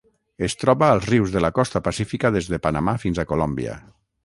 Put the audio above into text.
Es troba als rius de la costa pacífica des de Panamà fins a Colòmbia.